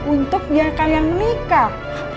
untuk biar kalian menikah